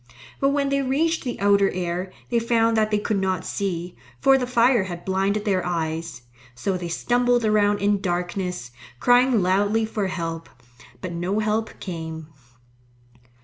But when they reached the outer air, they found that they could not see, for the fire had blinded their eyes. So they stumbled around in darkness, crying loudly for help. But no help came.